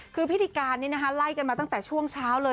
คือพิธีการนี้นะคะไล่กันมาตั้งแต่ช่วงเช้าเลย